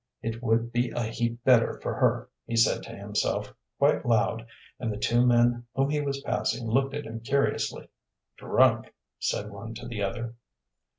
"It would be a heap better for her," he said to himself, quite loud, and two men whom he was passing looked at him curiously. "Drunk," said one to the other.